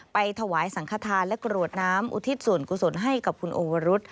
ไปถวายสังขทานและกรวดน้ำอุทิศส่วนกุศลให้กับคุณโอวรุษ